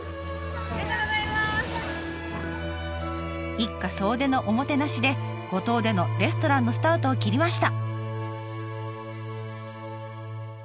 一家総出のおもてなしで五島でのレストランのスタートを切りました。